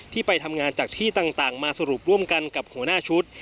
ไปทำงานจากที่ต่างมาสรุปร่วมกันกับหัวหน้าชุด